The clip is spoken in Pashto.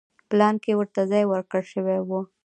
پلان کې ورته ځای ورکړل شوی و.